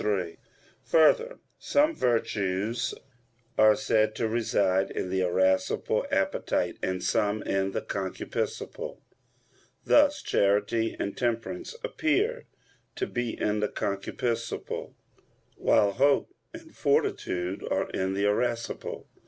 3: Further, some virtues are said to reside in the irascible appetite and some in the concupiscible: thus charity and temperance appear to be in the concupiscible, while hope and fortitude are in the irascible.